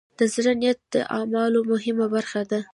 د زړۀ نیت د اعمالو مهمه برخه ده.